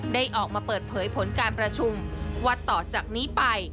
ได้ออกมาเปิดเผยผลการประชุมว่าต่อจากนี้ไป